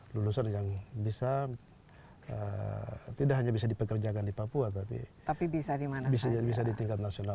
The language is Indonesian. lulusan yang bisa tidak hanya bisa dipekerjakan di papua tapi bisa di tingkat nasional